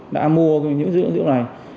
đã mua những dữ liệu này